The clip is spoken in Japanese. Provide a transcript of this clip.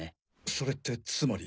それってつまり。